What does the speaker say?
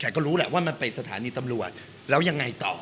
แต่ก็รู้แหละว่ามันไปสถานีตำรวจแล้วยังไงต่อ